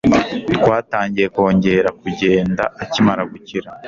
Twatangiye kongera kugenda akimara gukira.